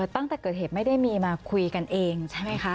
ตั้งแต่เกิดเหตุไม่ได้มีมาคุยกันเองใช่ไหมคะ